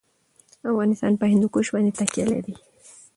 افغانستان په هندوکش باندې تکیه لري.